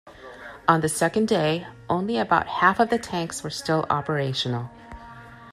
On the second day, only about half of the tanks were still operational.